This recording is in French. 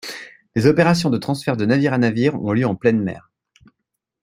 Les opérations de transfert de navire à navire ont lieu en pleine mer.